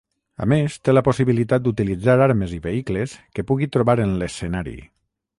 A més té la possibilitat d'utilitzar armes i vehicles que pugui trobar en l'escenari.